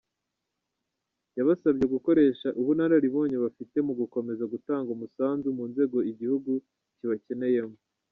Yabasabye gukoresha ubunararibonye bafite mu gukomeza gutanga umusanzu mu nzego igihugu kibakeneyemo.